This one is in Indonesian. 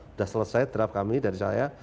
sudah selesai draft kami dari saya